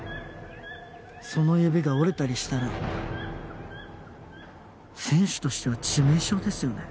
その指が折れたりしたら選手としては致命傷ですよね。